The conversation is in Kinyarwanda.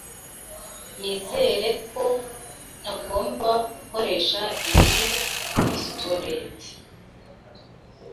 Nizere ko ntagomba gukoresha iyi pistolet.